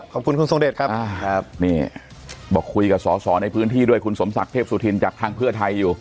ขอบคุณคุณทรงเดชครับนี่บอกคุยกับสอสอในพื้นที่ด้วยคุณสมศักดิ์เทพสุธินจากทางเพื่อไทยอยู่